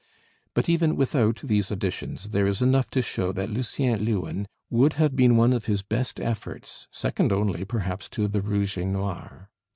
But even without these additions there is enough to show that 'Lucien Leuwen' would have been one of his best efforts, second only, perhaps, to the 'Rouge et Noir.'